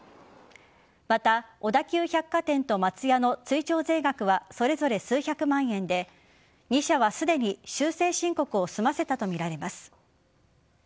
また小田急百貨店と松屋の追徴税額はそれぞれ数百万円で２社はすでに修正申告を済ませたとみられます。